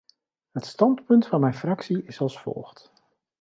Het standpunt van mijn fractie is als volgt.